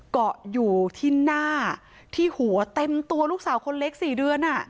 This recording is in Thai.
เกาะอยู่ที่หน้าที่หัวเต็มตัวลูกสาวคนเล็ก๔เดือน